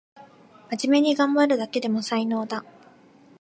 まじめにがんばるだけでも才能だ